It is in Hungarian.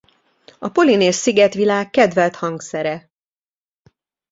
A polinéz szigetvilág kedvelt hangszere.